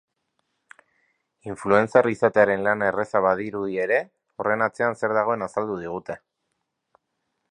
Influencer izatearen lana erraza badirudi ere, horren atzean zer dagoen azaldu digute.